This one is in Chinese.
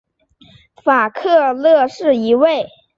法克勒是一个位于美国阿拉巴马州杰克逊县的非建制地区。